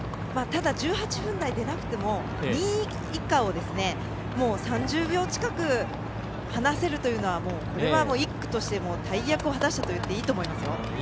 １８分台でなくても２位以下を３０秒近く離せるというのはこれは１区として大役を果たしたといっていいと思いますよ。